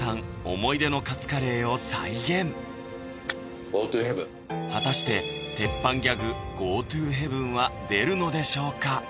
思い出のカツカレーを再現果たして鉄板ギャグＧｏｔｏＨＥＡＶＥＮは出るのでしょうか